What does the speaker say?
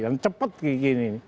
dan cepat kayak gini